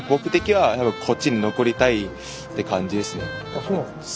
あっそうなんですか？